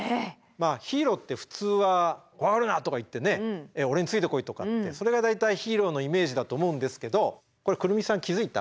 ヒーローって普通は「怖がるな！」とか言ってね「俺についてこい」とかってそれが大体ヒーローのイメージだと思うんですけどこれ来美さん気付いた？